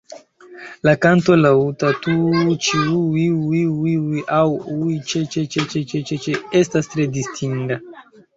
La kanto, laŭta "tuuuu-ĉŭiŭiŭiŭi" aŭ "ŭi-ĉeĉeĉeĉeĉe", estas tre distinga.